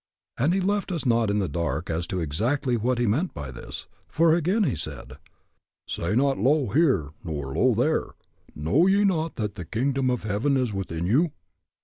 And he left us not in the dark as to exactly what he meant by this, for again he said. Say not Lo here nor lo there, know ye not that the kingdom of heaven is within you?